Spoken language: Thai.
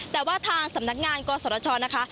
แต่ว่าทางสำนักงานกศชนะคะ